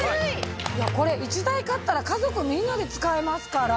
これ１台買ったら家族みんなで使えますから。